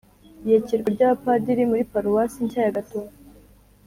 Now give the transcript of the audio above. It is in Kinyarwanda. iyakirwa ry’abapadiri muri paruwasi nshya ya gatovu